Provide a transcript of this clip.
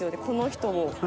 この人を。